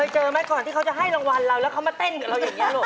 เจอไหมก่อนที่เขาจะให้รางวัลเราแล้วเขามาเต้นกับเราอย่างนี้ลูก